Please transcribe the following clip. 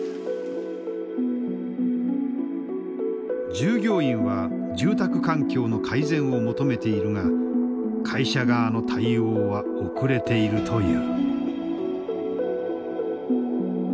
従業員は住宅環境の改善を求めているが会社側の対応は遅れているという。